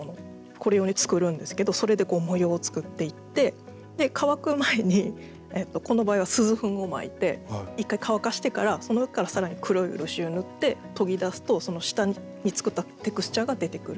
これ用に作るんですけどそれでこう模様を作っていってで乾く前にこの場合は錫粉をまいて１回乾かしてからその上から更に黒い漆を塗って研ぎ出すとその下に作ったテクスチャーが出てくる。